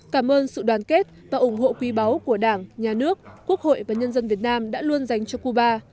cảm ơn sự đoàn kết và ủng hộ quý báu của đảng nhà nước quốc hội và nhân dân việt nam đã luôn dành cho cuba